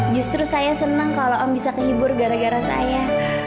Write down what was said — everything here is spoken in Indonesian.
justru saya senang kalau om bisa kehibur gara gara saya